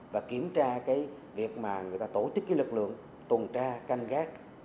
và kiểm tra việc người ta tổ chức lực lượng tuần tra canh gác